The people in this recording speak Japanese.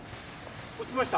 落ちました。